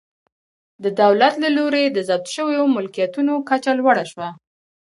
د دولت له لوري د ضبط شویو ملکیتونو کچه لوړه شوه.